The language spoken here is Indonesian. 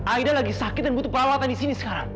aida lagi sakit dan butuh peralatan di sini sekarang